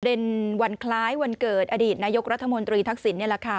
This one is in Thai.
เป็นวันคล้ายวันเกิดอดีตนายกรัฐมนตรีทักษิณนี่แหละค่ะ